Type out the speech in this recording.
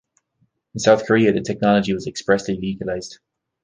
In South Korea, the technology was expressly legalized.